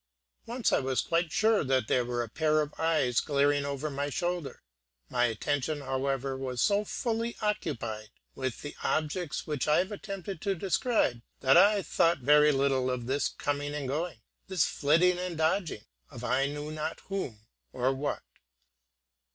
Once I was quite sure that there were a pair of eyes glaring over my right shoulder; my attention, however, was so fully occupied with the objects which I have attempted to describe, that I thought very little of this coming and going, this flitting and dodging of I knew not whom or what.